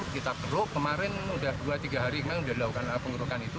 kita keruk kemarin sudah dua tiga hari kemarin sudah dilakukan pengurukan itu